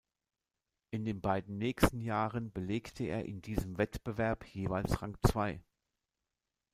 In den beiden nächsten Jahren belegte er in diesem Wettbewerb jeweils Rang zwei.